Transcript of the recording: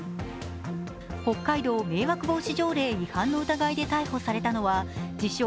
北海道迷惑防止条例違反の疑いで逮捕されたのは自称